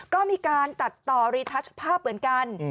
ก็มีการตัดต่อรีทัชภาพเหมือนกัน